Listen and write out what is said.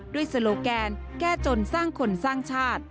โซโลแกนแก้จนสร้างคนสร้างชาติ